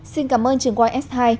xin cảm ơn trường ys hai